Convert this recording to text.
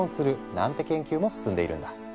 なんて研究も進んでいるんだ。